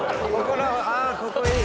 あここいい！